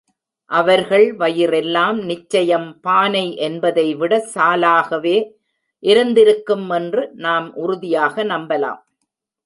அவர்கள் வயிறெல்லாம் நிச்சயம் பானை என்பதை விட சாலாகவே இருந்திருக்கும் என்று நாம் உறுதியாக நம்பலாம்.